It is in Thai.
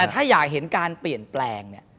แต่ถ้าอยากเห็นการเปลี่ยนแปลงเนี่ย